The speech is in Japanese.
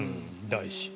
大事。